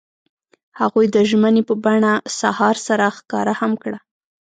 هغوی د ژمنې په بڼه سهار سره ښکاره هم کړه.